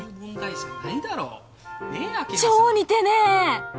超似てねえ！